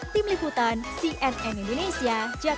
tim liputan cnn indonesia jakarta